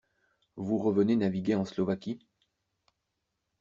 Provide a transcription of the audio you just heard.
Vous revenez naviguer en Slovaquie.